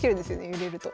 揺れると。